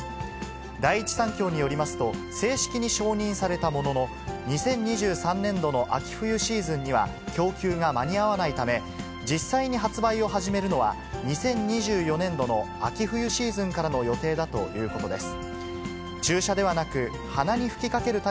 第一三共によりますと、正式に承認されたものの、２０２３年度の秋冬シーズンには供給が間に合わないため、実際に発売を始めるのは、２０２４年度の秋冬シーズンからの予定だということです。